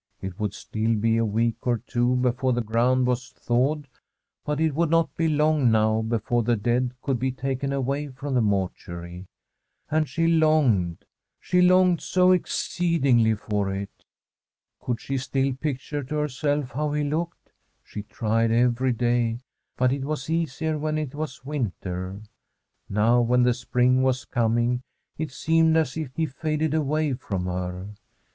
It would still be a week or two before the ground was thawed, but it would not be long now before the dead could be taken away from the mortuary. And she longed — ^she longed so exceedingly for it. Could she still picture to herself how he looked ? She tried every day ; but it was easier when it was winter. Now, when the spring was coming, it seemed as if he faded away from her.